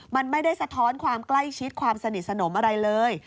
มันไม่ได้สะท้อนความใกล้ชิดความสนิทสนมอะไรเลย